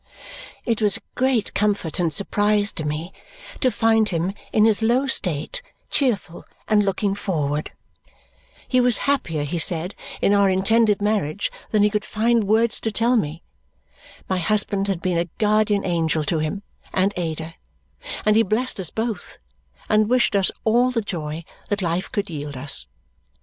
It was a great comfort and surprise to me to find him in his low state cheerful and looking forward. He was happier, he said, in our intended marriage than he could find words to tell me. My husband had been a guardian angel to him and Ada, and he blessed us both and wished us all the joy that life could yield us.